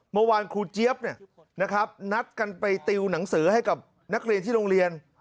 เมื่อวานครูเจี๊ยบนัดกันไปติวหนังสือให้กับนักเรียนที่โรงเรียน